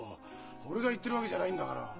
俺が言ってるわけじゃないんだから。